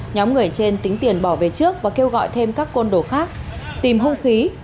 nhóm người trên tính tiền bỏ về trước và kêu gọi thêm các con đồ khác tìm hung khí